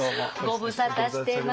ご無沙汰してます。